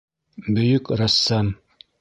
Бөйөк рәссам!